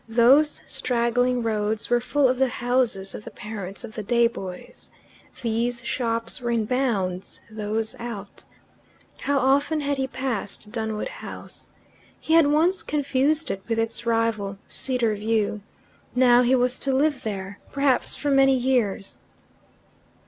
Those straggling roads were full of the houses of the parents of the day boys. These shops were in bounds, those out. How often had he passed Dunwood House! He had once confused it with its rival, Cedar View. Now he was to live there perhaps for many years.